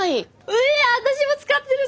え私も使ってる！